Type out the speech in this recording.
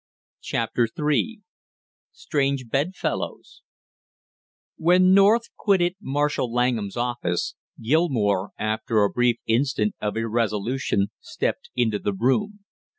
CHAPTER THREE STRANGE BEDFELLOWS When North quitted Marshall Langham's office, Gilmore, after a brief instant of irresolution, stepped into the room.